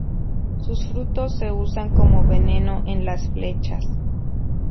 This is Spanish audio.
Sus frutos se usan como veneno en las flechas.